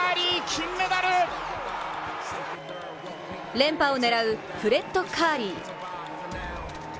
連覇を狙うフレッド・カーリー。